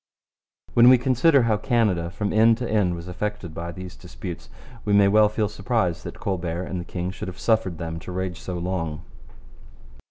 When we consider how Canada from end to end was affected by these disputes, we may well feel surprise that Colbert and the king should have suffered them to rage so long.